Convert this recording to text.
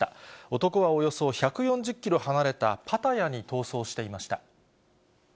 男はおよそ１４０キロ離れたパタヤに逃走していました。